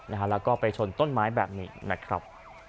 แล้วก็ไปชนต้นไม้แบบนี้นะครับ